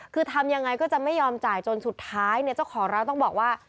คือทำยังไงก็จะไม่ยอมจ่ายจนสุดท้ายเนี่ยเจ้าของร้านต้องบอกว่า